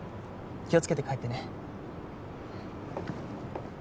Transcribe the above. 気をつけて帰ってね。